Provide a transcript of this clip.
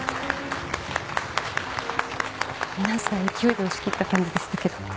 皆さん勢いで押し切った感じでしたけど。